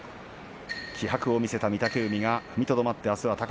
気迫を見せた御嶽海が踏みとどまりました。